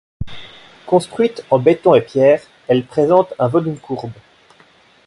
Construite en béton et pierre, elle présente un volume courbe.